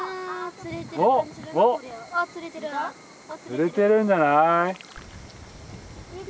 釣れてるんじゃない？